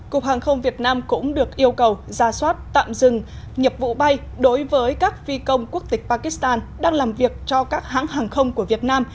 cục hàng không việt nam cũng được yêu cầu ra soát tạm dừng nhập vụ bay đối với các phi công quốc tịch pakistan đang làm việc cho các hãng hàng không của việt nam